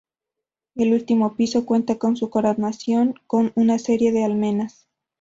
El último piso cuenta en su coronación con una serie de almenas.